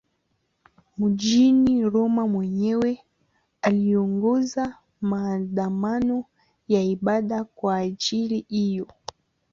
Mjini Roma mwenyewe aliongoza maandamano ya ibada kwa ajili hiyo.